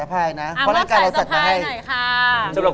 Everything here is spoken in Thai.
ถ้าเป็นครูผ่านไม่ค่อยไม่รู้